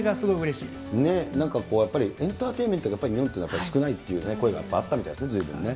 なんかこう、やっぱりエンターテインメントが日本って少ないっていう声があったみたいですね、ずいぶんね。